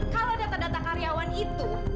kalau data data karyawan itu